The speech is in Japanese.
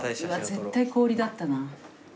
絶対氷だったな。